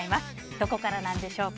どこからでしょうか。